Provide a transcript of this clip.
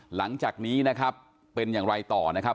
หลังจากนี้นะครับเป็นอย่างไรต่อนะครับ